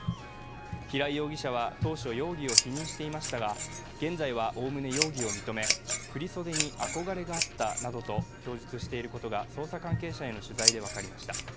平井容疑者は、当初容疑を否認していましたが現在はおおむね容疑を認め振り袖に憧れがあったなどと供述していることが捜査関係者への取材で分かりました。